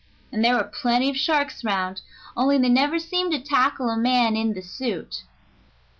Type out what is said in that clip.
And there were plenty of sharks 'round, only they never seemed to tackle a man in the suit."